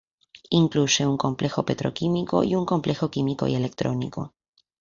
Incluye un complejo Petroquímico y un complejo químico y electrónico.